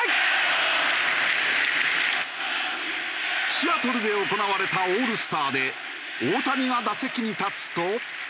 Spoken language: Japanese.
シアトルで行われたオールスターで大谷が打席に立つと。